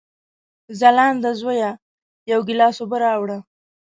ځلانده زویه، یو ګیلاس اوبه راوړه!